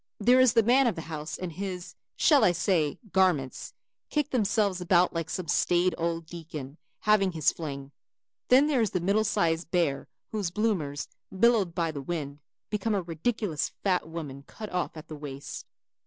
There is the man of the house and his, shall I say garments, kick themselves about like some staid old deacon having his fling. Then there is the middle sized bear whose bloomers, billowed by the wind, become a ridiculous fat woman cut off at the waist.